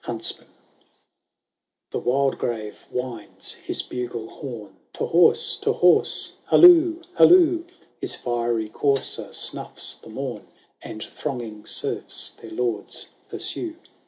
703 I The "Wildgrave11 winds his bugle horn, To horse, to horse ! halloo, halloo ! His fiery courser snuffs the morn, And thronging serfs their lords pursue.